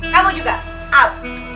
kamu juga out